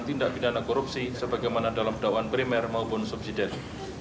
tindak pidana korupsi sebagaimana dalam dakwaan primer maupun subsidi